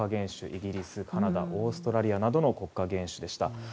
イギリス、カナダオーストラリアなどの国家元首でした。